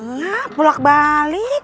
ya pulak balik